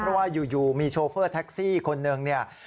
เพราะว่าอยู่มีโชเฟอร์แท็กซี่คนหนึ่งเนี่ย